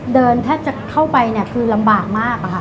เดินแทบจะเข้าไปคือลำบากมาก